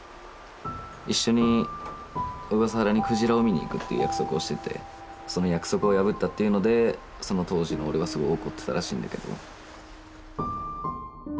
「一緒に小笠原にクジラを見に行く」っていう約束をしててその約束を破ったっていうのでその当時の俺はすごい怒ってたらしいんだけど。